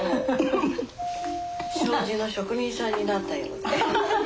障子の職人さんになったような。